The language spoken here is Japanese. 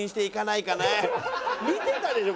見てたでしょ！